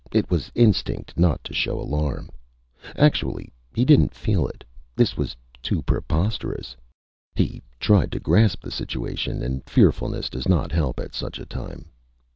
It was instinct not to show alarm. Actually, he didn't feel it. This was too preposterous! He tried to grasp the situation and fearfulness does not help at such a time.